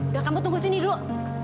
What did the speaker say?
udah kamu tunggu sini dulu